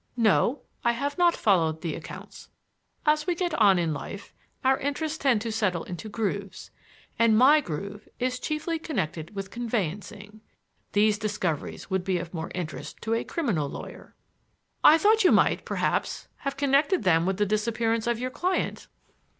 No, I have not followed the accounts. As we get on in life our interests tend to settle into grooves, and my groove is chiefly connected with conveyancing. These discoveries would be of more interest to a criminal lawyer." "I thought you might, perhaps, have connected them with the disappearance of your client?"